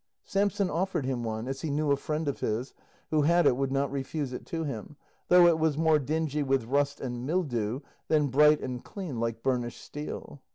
Samson offered him one, as he knew a friend of his who had it would not refuse it to him, though it was more dingy with rust and mildew than bright and clean like burnished steel.